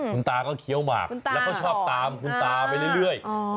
คุณตาก็เคี้ยวหมากแล้วเขาชอบตามคุณตาไปเรื่อย